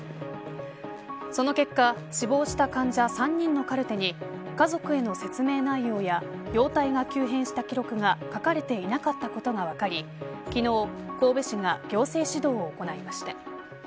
その結果死亡した患者３人のカルテに家族への説明内容や容態が急変した記録が書かれていなかったことが分かり昨日、神戸市が行政指導を行いました。